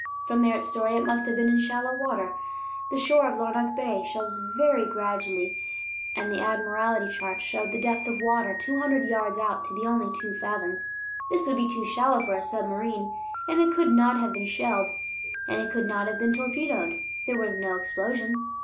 From Merritt's story, it must have been in shallow water. The shore of Larnac Bay shelves very gradually, and the Admiralty charts showed the depth of water two hundred yards out to be only two fathoms; this would be too shallow for a submarine. And it could not have been shelled, and it could not have been torpedoed; there was no explosion.